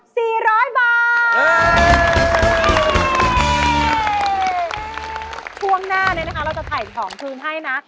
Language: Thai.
ช่วงนี้นะคะเราจะถ่ายของคืนให้นะ